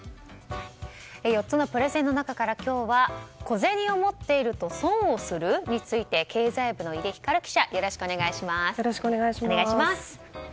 ４つのプレゼンの中から今日は小銭と持っていると損をする？について経済部の井出光記者よろしくお願いします。